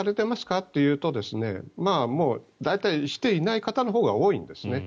って言うと大体、していない方のほうが多いんですね。